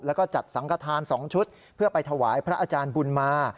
แล้วก็จัดสังขทาน๒ชุดเพื่อไปถวายพระอาจารย์บุญมา